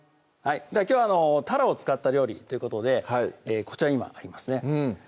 きょうはたらを使った料理ということでこちらに今ありますね